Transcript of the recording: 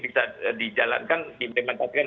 bisa dijalankan diimplementasikan